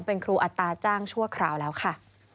เป็นครูอัตราจ้างชั่วคราวแล้วค่ะ